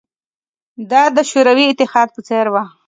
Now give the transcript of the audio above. دا د شوروي اتحاد په څېر وه